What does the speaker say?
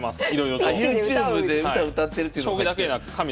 ＹｏｕＴｕｂｅで歌歌ってるっていうのも入ってる。